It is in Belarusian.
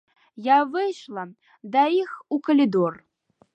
Я выйшла да іх у калідор.